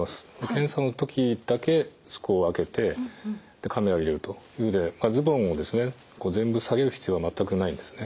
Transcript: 検査の時だけそこを開けてカメラを入れるというのでズボンを全部下げる必要は全くないんですね。